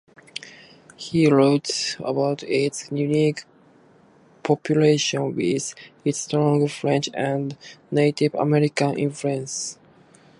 He wrote about its unique population with its strong French and Native American influence.